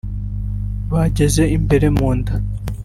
bageze imbere mu nda